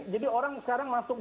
jadi orang sekarang masuk